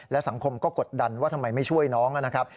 และสังคมก็กดดันว่าทำไมไม่ช่วยน้องนะครับ